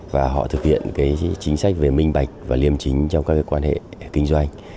và họ thực hiện chính sách về minh bạch và liêm chính trong các quan hệ kinh doanh